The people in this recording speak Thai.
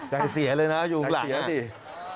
ใจเสียเลยนะอยู่ข้างหลัง